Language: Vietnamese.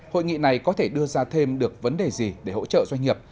hội nghị này có thể đưa ra thêm được vấn đề gì để hỗ trợ doanh nghiệp